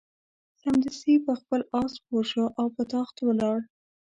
دی سمدستي پر خپل آس سپور شو او په تاخت ولاړ.